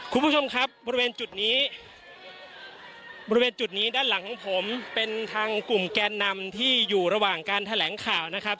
คุณผู้ชมครับบริเวณจุดนี้บริเวณจุดนี้ด้านหลังของผมเป็นทางกลุ่มแกนนำที่อยู่ระหว่างการแถลงข่าวนะครับ